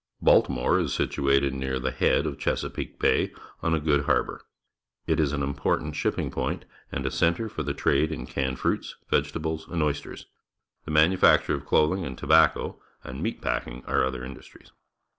Baltimore is situated near the head of Chesapeake Bay on a good harbour. It is an important shipping point and a centre for the trade in canned fruits, vegetables, and oysters. The manufacture of clothing and tobacco, and meat packing are other industries.